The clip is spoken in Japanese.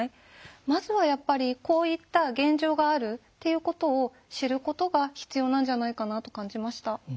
まずはやっぱりこういった現状があるっていうことを知ることが必要なんじゃないかなと感じました。